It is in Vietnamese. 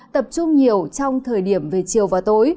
tập trung nhiều trong thời điểm về chiều và tối